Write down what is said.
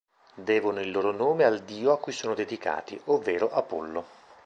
Devono il loro nome al dio a cui sono dedicati, ovvero Apollo.